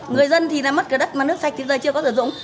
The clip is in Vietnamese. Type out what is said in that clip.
người dân thì là mất cái đất mà nước sạch thì giờ chưa có sử dụng